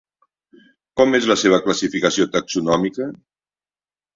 Com és la seva classificació taxonòmica?